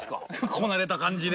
こなれた感じで。